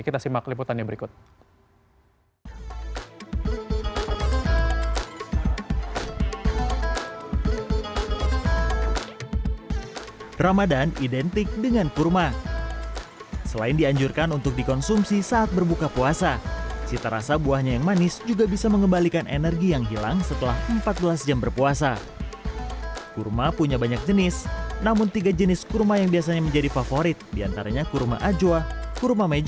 kita simak liputannya berikut